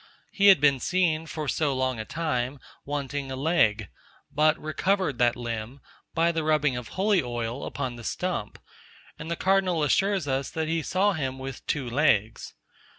He had been seen, for so long a time, wanting a leg; but recovered that limb by the rubbing of holy oil upon the stump; and the cardinal assures us that he saw him with two legs.